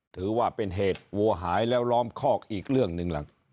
ถือว่าเป็นเหตุวัวหายแล้วล้อมคอกอีกเรื่องหนึ่งล่ะ